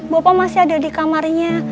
bapak masih ada di kamarnya